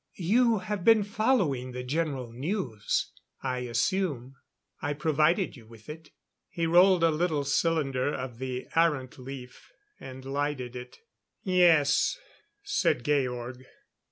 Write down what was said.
You have been following the general news, I assume? I provided you with it." He rolled a little cylinder of the arrant leaf, and lighted it. "Yes," said Georg.